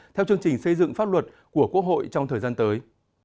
theo chương trình xây dựng pháp luật của quốc hội trong thời gian tới